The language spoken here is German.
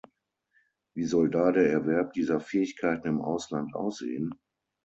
Wie soll da der Erwerb dieser Fähigkeiten im Ausland aussehen?